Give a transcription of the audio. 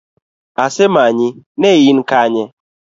Asemanyi, ne in Kanye?